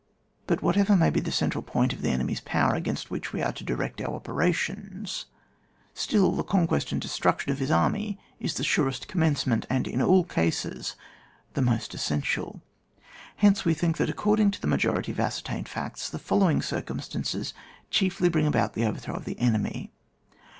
But whatever may be the central point of the enemy's power against which we are to direct our operations, still the con quest and destruction of his army is the surest commencement, and in all cases, the most essential. Hence we think that, according to the majority of ascertained facts, the follow ing circumstances chiefly bring about the overthrow of the enemy.